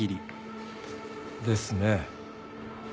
ですね。